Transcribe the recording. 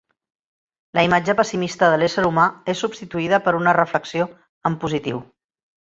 La imatge pessimista de l'ésser humà és substituïda per una reflexió en positiu.